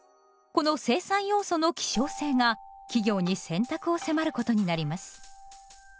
この生産要素の希少性が企業に選択を迫ることになります。